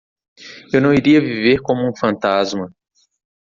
Eu não iria viver como um fantasma.